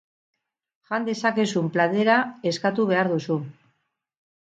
Jan dezakezun platera eskatu behar duzu.